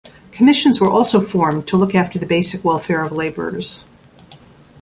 Commissions were also formed to look after the basic welfare of laborers.